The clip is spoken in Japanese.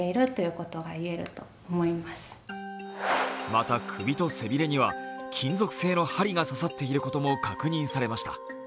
また、首と背びれには金属製の針が刺さっていることも確認されました。